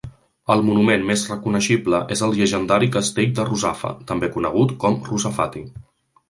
El monument més reconeixible és el llegendari Castell de Rozafa, també conegut com Rozafati.